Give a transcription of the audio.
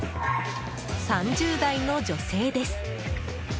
３０代の女性です。